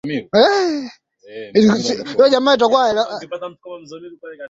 ningependa msikilizaji utuandikie ujumbe mfupi uko wapi